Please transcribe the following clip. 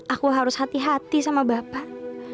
aku harus hati hati sama bapak